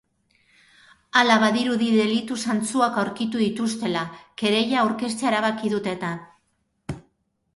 Hala, badirudi delitu zantzuak aurkitu dituztela, kereila aurkeztea erabaki dute eta.